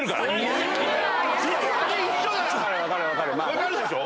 分かるでしょ？